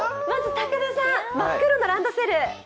高田さん、真っ黒なランドセル。